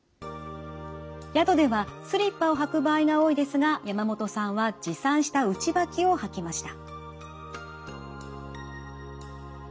宿ではスリッパを履く場合が多いですが山本さんは持参した内履きを履きました。